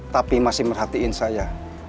tapi masih merhatiin saya